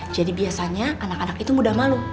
jadi biasanya anak anak itu mudah malu